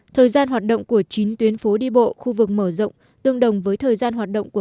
thời gian hoạt động của chín tuyến phố đi bộ khu vực mở rộng tương đồng với thời gian hoạt động của